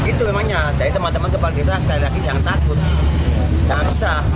itu memangnya dari teman teman kepala desa sekali lagi jangan takut jangan sah